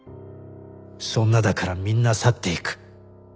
そんなだからみんな去っていく。